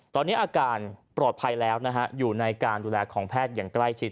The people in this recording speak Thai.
ตอนนี้อาการปลอดภัยแล้วนะฮะอยู่ในการดูแลของแพทย์อย่างใกล้ชิด